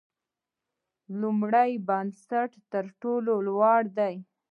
لومړی بست تر ټولو لوړ دی